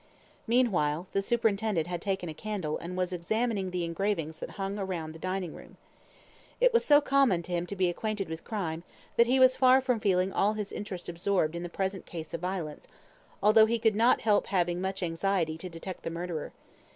Meanwhile, the superintendent had taken a candle, and was examining the engravings that hung round the dining room. It was so common to him to be acquainted with crime, that he was far from feeling all his interest absorbed in the present case of violence, although he could not help having much anxiety to detect the murderer.